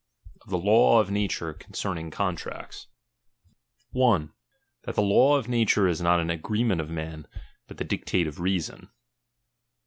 OF THE LAW OP NATURE CONCERNING CONTRACTS" 1. That tbe law of nature is not an agreement of men, but the dictate of reason.